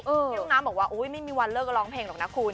พี่ห้องน้ำบอกว่าไม่มีวันเลิกร้องเพลงหรอกนะคุณ